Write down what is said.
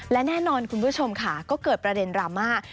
และแน่นอนคุณผู้ชมค่ะก็เกิดประเด็นดราม่า